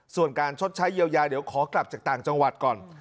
ส่วนการชดใช้เยียวยาเดี๋ยวขอกลับจากต่างจังหวัดก่อน